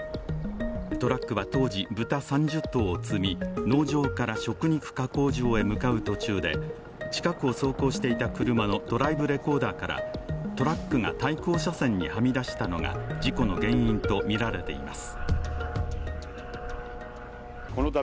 トラックは当時、豚３０頭を積み、農場から食肉加工場へ向かう途中で近くを走行していた車のドライブレコーダーからトラックが対向車線にはみ出したのが事故の原因とみられています。